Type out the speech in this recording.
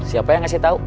siapa yang ngasih tau